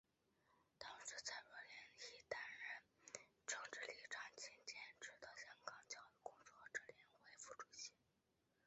当时蔡若莲亦担任政治立场亲建制的香港教育工作者联会副主席。